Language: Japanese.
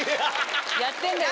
やってんだよ